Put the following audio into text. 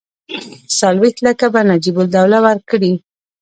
څلوېښت لکه به نجیب الدوله ورکړي.